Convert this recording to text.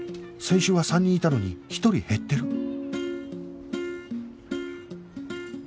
先週は３人いたのに１人減ってる